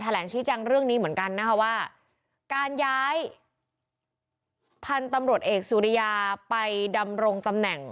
แหลงชี้แจงเรื่องนี้เหมือนกันนะคะว่าการย้ายพันธุ์ตำรวจเอกสุริยาไปดำรงตำแหน่ง